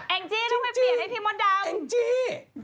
งจี้ต้องไปเปลี่ยนให้พี่มดดำแองจี้